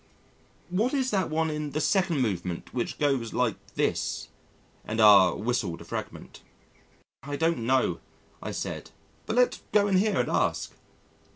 "What is that one in the second movement which goes like this?" and R whistled a fragment. "I don't know," I said, "but let's go in here and ask."